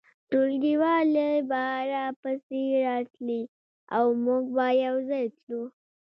ټولګیوالې به راپسې راتلې او موږ به یو ځای تلو